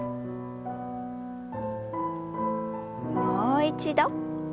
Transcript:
もう一度。